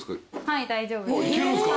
はい大丈夫です。